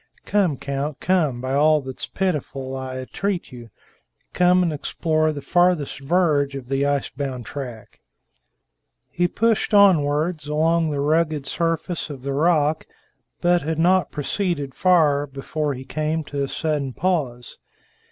_ Come, count, come! By all that's pitiful, I entreat you, come and explore the farthest verge of the ice bound track!" He pushed onwards along the rugged surface of the rock, but had not proceeded far before he came to a sudden pause.